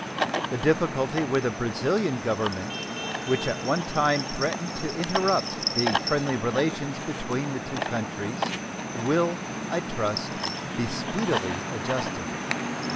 The difficulty with the Brazilian Government, which at one time threatened to interrupt the friendly relations between the two countries, will, I trust, be speedily adjusted.